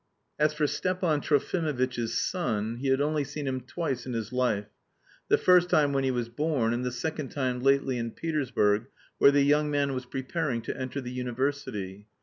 As for Stepan Trofimovitch's son, he had only seen him twice in his life, the first time when he was born and the second time lately in Petersburg, where the young man was preparing to enter the university.